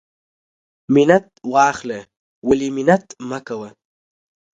منت واخله ولی منت مکوه.